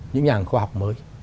những nhà khoa học mới